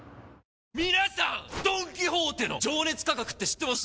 皆さんドン・キホーテの「情熱価格」って知ってます？